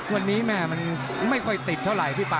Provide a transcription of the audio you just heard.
วันนี้แม่มันไม่ค่อยติดเท่าไหร่พี่ป่า